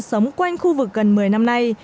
sống quanh khu vực gần một mươi năm nay